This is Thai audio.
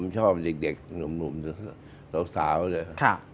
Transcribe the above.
ผมชอบเด็กหนุ่มสาวเลย